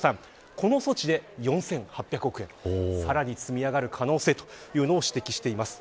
この措置で、４８００億円さらに積み上がる可能性を指摘しています。